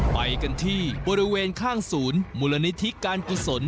ไปกันที่บริเวณข้างศูนย์มุรณิธรรม